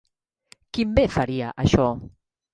Quin bé faria això?